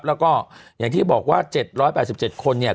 แล้วก็อย่างที่บอกว่า๗๘๗คนเนี่ย